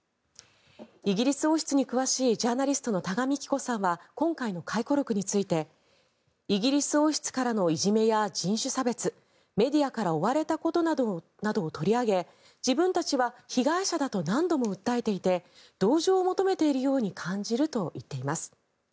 イギリス王室に詳しいジャーナリストの多賀幹子さんは今回の回顧録についてイギリス王室からのいじめや人種差別メディアから追われたことなどを取り上げ自分たちは被害者だと何度も訴えていて同情を求めているように感じると言っています。